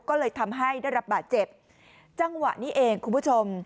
ก็เลยทำให้ได้รับบาดเจ็บจังหวะนี้เองคุณผู้ชม